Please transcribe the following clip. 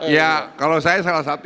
ya kalau saya salah satu